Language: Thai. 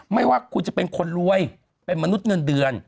ไม่ว่าคุณจะเป็นคนรวยเป็นมนุษย์เงินเดือน